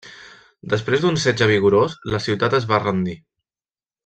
Després d'un setge vigorós la ciutat es va rendir.